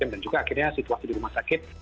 dan juga akhirnya situasi di rumah sakit